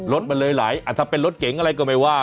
รถมันเลยไหลถ้าเป็นรถเก๋งอะไรก็ไม่ว่า